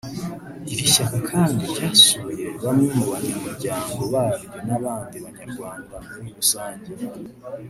Iri shyaka kandi ryasuye bamwe mu banyamuryango baryo n’abandi banyarwanda muri rusange